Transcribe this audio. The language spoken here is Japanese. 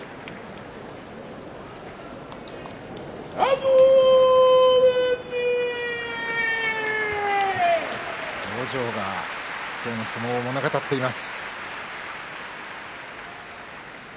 拍手表情がこの相撲を物語っています。